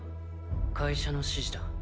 会社の指示だ。